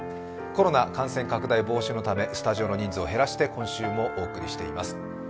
コロナ感染拡大防止のためスタジオの人数を減らしてお送りしています。